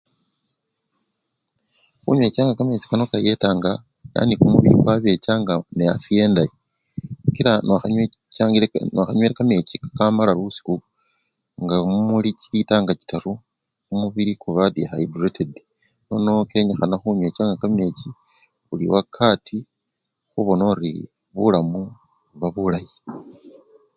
Khunywechanga kamechi kano kayetanga yani kumubili kwabechanga ne afiya endayi sikila nokhanywechangile! nokhanywele kamechi kakamala lusiku nga mulita chitaru, kumubili kuba dihayidreted nono kenyikhana khunywechanga kamechi buli wakati khubona ori bulamu buba bulayi.